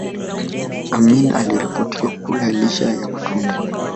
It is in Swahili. Amin aliripotiwa kula lishe ya matunda